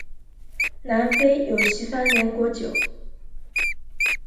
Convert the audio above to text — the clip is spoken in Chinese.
南非有西番莲果酒。